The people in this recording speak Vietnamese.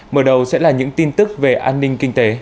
mở đầu sẽ là những tin tức về an ninh kinh tế